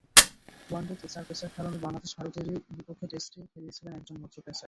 ওয়ানডেতে চার পেসার খেলানো বাংলাদেশ ভারতেরই বিপক্ষে টেস্টে খেলিয়েছিল একজন মাত্র পেসার।